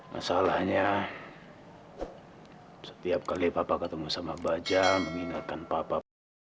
masalahnya setiap kali papa ketemu sama bajaj mengingatkan papa